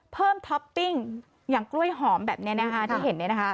เพิ่มท็อปปิ้งอย่างกล้วยหอมแบบนี้ที่เห็นนี่นะคะ